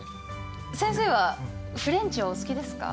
先生はフレンチはお好きですか？